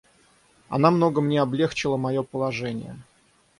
Она много мне облегчила мое положение.